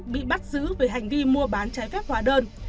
bị bắt giữ về hành vi mua bán trái phép hóa đơn